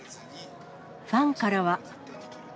ファンからは。